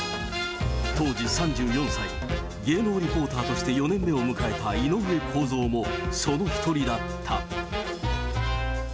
当時、３４歳、芸能リポーターとして４年目を迎えた井上公造も、その一人だった。